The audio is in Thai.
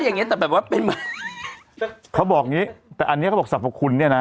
อย่างเงี้แต่แบบว่าเป็นเขาบอกอย่างงี้แต่อันนี้เขาบอกสรรพคุณเนี่ยนะ